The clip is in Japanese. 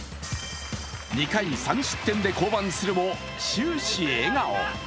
２回、３失点で降板するも終始笑顔。